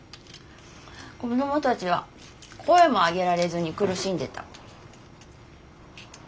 子供たちは声も上げられずに苦しんでた。